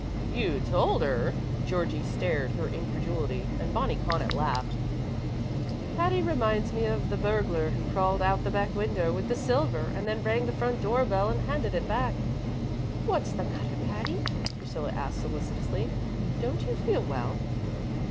"You told her?" Georgie stared her incredulity, and Bonnie Connaught laughed. "Patty reminds me of the burglar who crawled out the back window with the silver, and then rang the front door bell and handed it back." "What's the matter, Patty?" Priscilla asked solicitously. "Don't you feel well?"